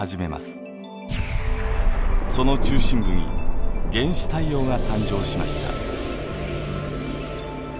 その中心部に原始太陽が誕生しました。